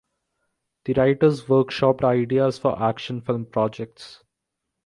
The writers workshopped ideas for action film projects.